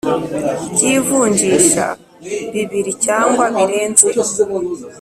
by ivunjisha bibiri cyangwa birenze